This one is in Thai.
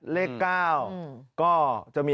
เลข๙ก็จะมี